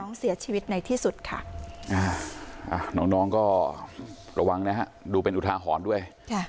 น้องเสียชีวิตในที่สุดค่ะน้องก็ระวังนะฮะดูเป็นอุทาหรณ์ด้วย